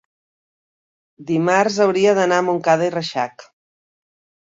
dimarts hauria d'anar a Montcada i Reixac.